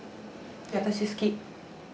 私好き！